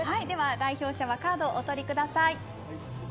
代表者はカードをお取りください。